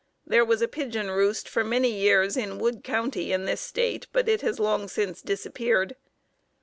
There was a pigeon roost for many years in Wood County, in this State, but it has long since disappeared.